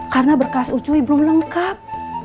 karena berkas ucuy belum lengkap